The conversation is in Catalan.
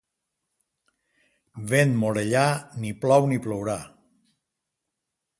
Vent morellà, ni plou ni plourà.